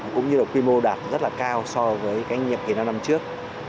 cũng như là quy mô đạt rất cao so với nhập kỳ năm năm trước